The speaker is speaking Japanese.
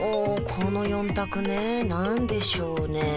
この４択ね何でしょうね